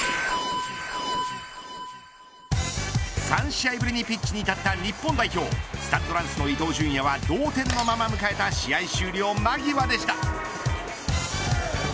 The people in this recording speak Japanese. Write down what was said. ３試合ぶりにピッチに立った日本代表スタッドランスの伊東純也は同点のまま迎えた試合終了間際でした。